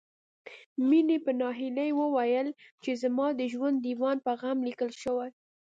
مينې په ناهيلۍ وويل چې زما د ژوند ديوان په غم ليکل شوی